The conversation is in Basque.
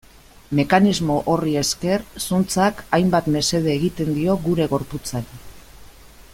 Mekanismo horri esker, zuntzak hainbat mesede egiten dio gure gorputzari.